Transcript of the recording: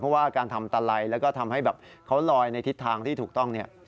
เพราะว่าการทำตะไลแล้วก็ทำให้แบบเขาลอยในทิศทางที่ถูกต้องเนี่ย